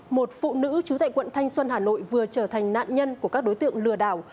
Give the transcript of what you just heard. một phụ nữ trú tại quận thanh xuân hà nội vừa trở thành nạn nhân của các đối tượng lừa đảo